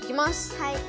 はい。